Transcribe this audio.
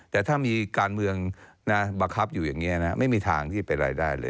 แต่ถ้ามีการเมืองบังคับอยู่อย่างนี้นะไม่มีทางที่เป็นรายได้เลย